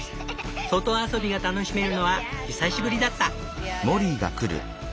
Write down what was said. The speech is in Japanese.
外遊びが楽しめるのは久しぶりだった。